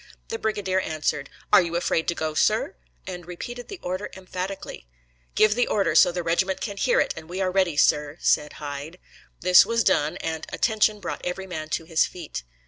The brigadier answered, "Are you afraid to go, sir?" and repeated the order emphatically. "Give the order, so the regiment can hear it, and we are ready, sir," said Hyde. This was done, and "Attention" brought every man to his feet.